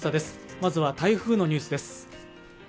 まずは台風のニュースです。